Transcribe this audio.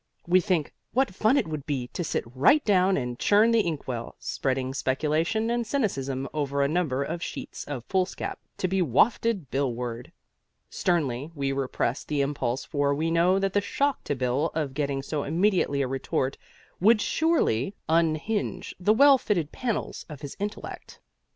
We think what fun it would be to sit right down and churn the ink well, spreading speculation and cynicism over a number of sheets of foolscap to be wafted Billward. Sternly we repress the impulse for we know that the shock to Bill of getting so immediate a retort would surely unhinge the well fitted panels of his intellect.